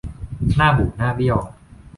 หน้าบูดหน้าเบี้ยว